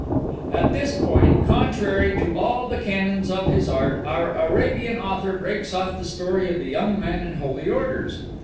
(At this point, contrary to all the canons of his art, our Arabian author breaks off the Story of the Young Man in Holy Orders.